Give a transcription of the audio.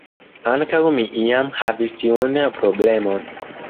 Ankaŭ mi iam havis tiun problemon.